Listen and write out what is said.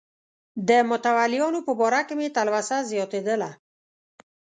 د متولیانو په باره کې مې تلوسه زیاتېدله.